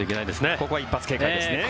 ここは一発警戒ですね。